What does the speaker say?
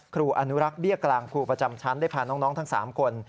ครูอนุรักษ์เบี้ยกลางครูประจำชั้นได้พาน้องทั้ง๓คน